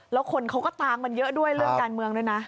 แล้วคนเขาก็ตามมันเยอะด้วยเรื่องการเมืองด้วยนะ